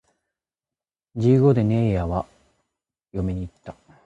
十五でねえやは嫁に行った